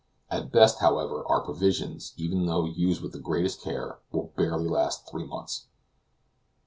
At best, however, our provisions, even though used with the greatest care, will barely last three months.